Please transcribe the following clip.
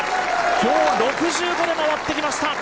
今日６５で回ってきました。